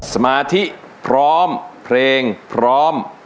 สมาธิพร้อมเพลงพร้อม